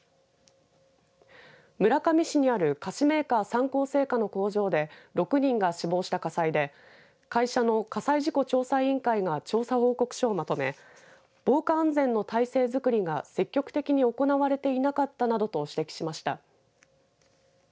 村上市にある菓子メーカー、三幸製菓の工場で６人が死亡した火災で会社の火災事故調査委員会が調査報告書をまとめ防火安全の体制作りが積極的に行われていなかったなどと指摘しました。